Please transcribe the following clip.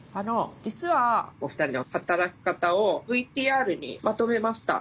実はお二人の働き方をＶＴＲにまとめました。